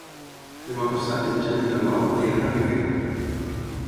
Demà passat en Jan i na Blau aniran a Requena.